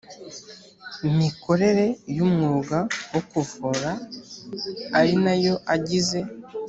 mikorere y umwuga wo kuvura ari nayo agize